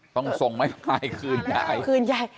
ต้องส่งให้พายคืนยาย